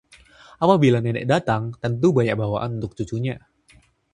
apabila nenek datang, tentu banyak bawaan untuk cucunya